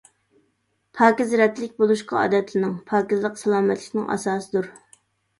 پاكىز رەتلىك بولۇشقا ئادەتلىنىڭ، پاكىزلىق سالامەتلىكنىڭ ئاساسىدۇر.